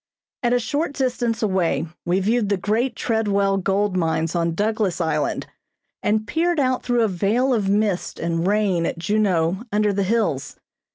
At a short distance away we viewed the great Treadwell gold mines on Douglass Island, and peered out through a veil of mist and rain at Juneau under the hills.